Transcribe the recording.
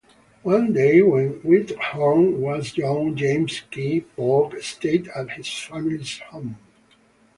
One day when Whitthorne was young James K. Polk stayed at his family's home.